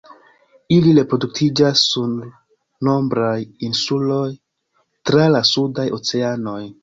Ili reproduktiĝas sur nombraj insuloj tra la sudaj oceanoj.